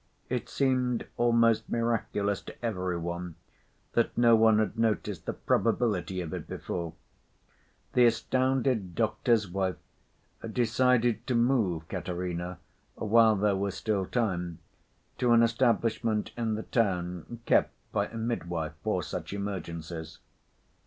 It seemed almost miraculous to every one that no one had noticed the probability of it before. The astounded doctor's wife decided to move Katerina while there was still time to an establishment in the town kept by a midwife for such emergencies.